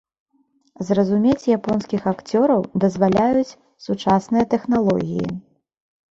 Зразумець японскіх акцёраў дазваляюць сучасныя тэхналогіі.